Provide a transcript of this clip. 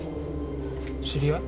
知り合い？